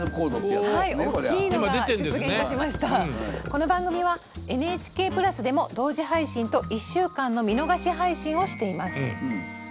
この番組はＮＨＫプラスでも同時配信と１週間の見逃し配信をしています。